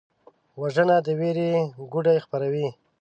وژنه د ویر کوډې خپروي